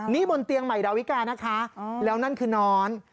นี่บนเตียงใหม่ดาวิกานะคะแล้วนั่นคือน้อน